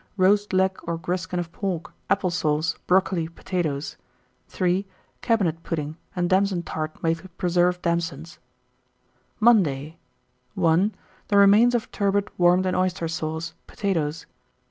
Roast leg or griskin of pork, apple sauce, brocoli, potatoes. 3. Cabinet pudding, and damson tart made with preserved damsons. 1896. Monday. 1. The remains of turbot warmed in oyster sauce, potatoes.